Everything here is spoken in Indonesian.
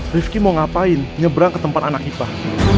rizky mau ngapain nyebrang ke tempat anak ipah